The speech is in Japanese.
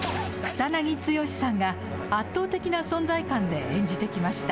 草なぎ剛さんが圧倒的な存在感で演じてきました。